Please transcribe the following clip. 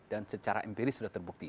dan secara empiri sudah terbukti